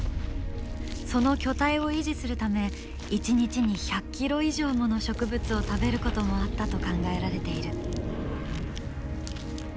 その巨体を維持するため一日に１００ｋｇ以上もの植物を食べることもあったと考えられている。